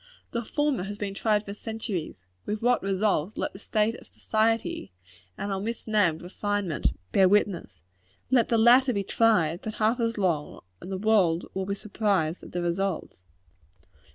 The former has been tried for centuries with what result, let the state of society and our misnamed refinement bear witness. Let the latter be tried but half as long, and the world will be surprised at the results.